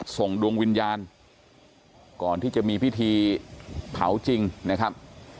ส่งดวงวิญญาณก่อนที่จะมีพิธีเผาจริงนะครับ